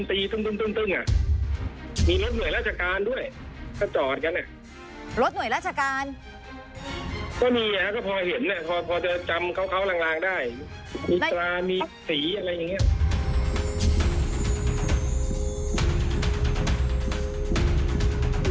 มีตรามีสีอะไรอย่างนี้